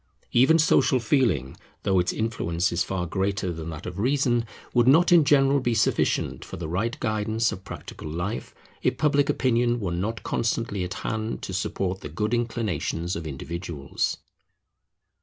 Even Social Feeling, though its influence is far greater than that of Reason, would not in general be sufficient for the right guidance of practical life, if Public Opinion were not constantly at hand to support the good inclinations of individuals.